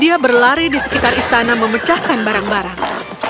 dia berlari di sekitar istana memecahkan barang barang